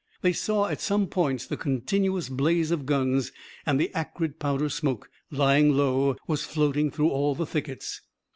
They saw at some points the continuous blaze of guns, and the acrid powder smoke, lying low, was floating through all the thickets.